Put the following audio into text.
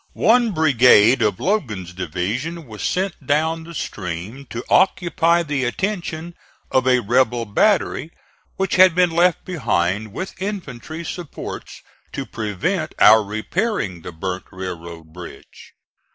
One brigade of Logan's division was sent down the stream to occupy the attention of a rebel battery, which had been left behind with infantry supports to prevent our repairing the burnt railroad bridge.